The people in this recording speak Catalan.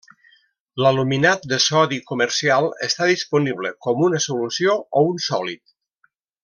L'aluminat de sodi comercial està disponible com una solució o un sòlid.